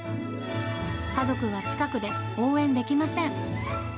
家族は近くで応援できません。